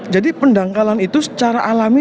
jadi pendangkalan itu secara alami